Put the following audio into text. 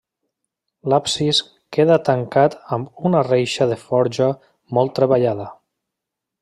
L'absis queda tancat amb una reixa de forja molt treballada.